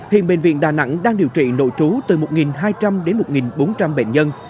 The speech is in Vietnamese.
hiện bệnh viện đà nẵng đang điều trị nội trú từ một hai trăm linh đến một bốn trăm linh bệnh nhân